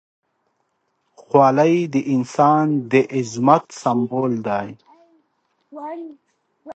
خولۍ د انسان د عظمت سمبول ده.